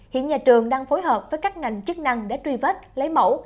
hiện nhà trường đang phối hợp với các ngành chức năng đã truy vết lấy mẫu